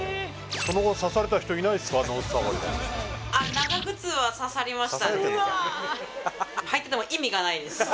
その後刺された人いないですか？